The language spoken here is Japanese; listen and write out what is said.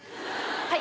はい！